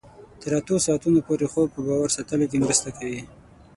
تر اتو ساعتونو پورې خوب په باور ساتلو کې مرسته کوي.